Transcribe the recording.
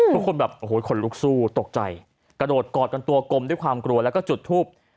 ทุกคนแบบโอ้โหขนลุกสู้ตกใจกระโดดกอดกันตัวกลมด้วยความกลัวแล้วก็จุดทูบ